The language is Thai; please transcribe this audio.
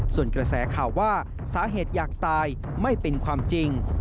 ส่วนกระแสข่าวว่าสาเหตุอยากตายไม่เป็นความจริง